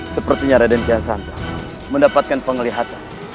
sepertinya raden kiyasanto mendapatkan pengelihatan